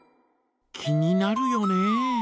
気になるよね。